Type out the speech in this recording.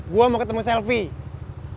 gua mau ketemu selfie